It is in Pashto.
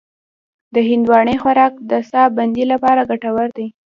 د هندواڼې خوراک د ساه بندۍ لپاره ګټور دی.